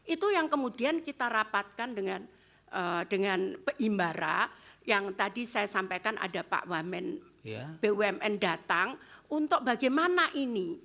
itu yang kemudian kita rapatkan dengan imbara yang tadi saya sampaikan ada pak wamen bumn datang untuk bagaimana ini